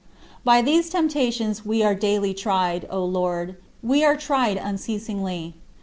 By these temptations we are daily tried, O Lord; we are tried unceasingly.